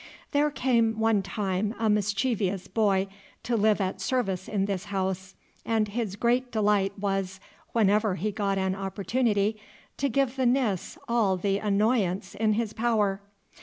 There came one time a mischievous boy to live at service in this house, and his great delight was, whenever he got an opportunity, to give the Nis all the annoyance in his power.